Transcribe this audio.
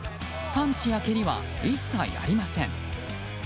パンチや蹴りは一切ありません。